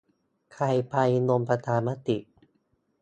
ใครไป ลงประชามติ